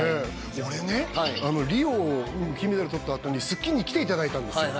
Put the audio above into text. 俺ねリオ金メダルとったあとに「スッキリ」に来ていただいたんです